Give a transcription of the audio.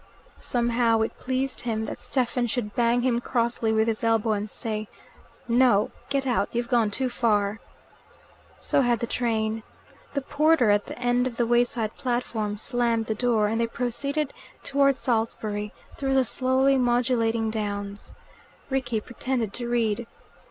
Somehow it pleased him that Stephen should bang him crossly with his elbow and say, "No. Get out. You've gone too far." So had the train. The porter at the end of the wayside platform slammed the door, and they proceeded toward Salisbury through the slowly modulating downs. Rickie pretended to read.